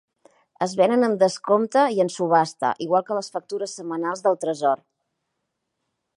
Es venen amb descompte i en subhasta igual que les factures setmanals del Tresor.